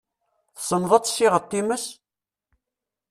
Tessneḍ ad tessiɣeḍ times?